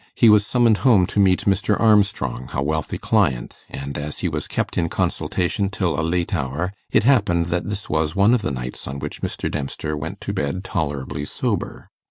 He was summoned home to meet Mr. Armstrong, a wealthy client, and as he was kept in consultation till a late hour, it happened that this was one of the nights on which Mr. Dempster went to bed tolerably sober.